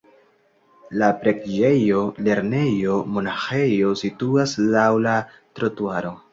La preĝejo, lernejo, monaĥejo situas laŭ la trotuaro.